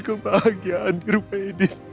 kemahagiaan di rumah ini